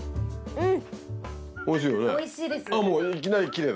うん。